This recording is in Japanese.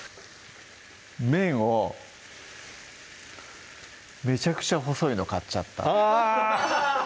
麺をめちゃくちゃ細いの買っちゃったあぁ！